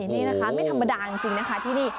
นี่นะคะไม่ธรรมดาจริงนะคะที่นี่